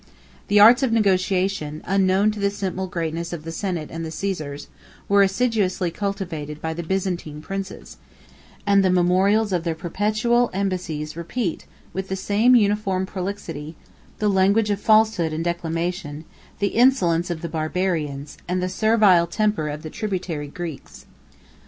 The arts of negotiation, unknown to the simple greatness of the senate and the Caesars, were assiduously cultivated by the Byzantine princes; and the memorials of their perpetual embassies 2 repeat, with the same uniform prolixity, the language of falsehood and declamation, the insolence of the Barbarians, and the servile temper of the tributary Greeks.